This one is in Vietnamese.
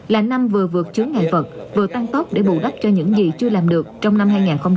là năm vừa vượt chướng ngại vật vừa tăng tốt để bù đắp cho những gì chưa làm được trong năm hai nghìn hai mươi một